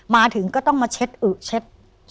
มาถึงก็ต้องมาเช็ดอึเช็ด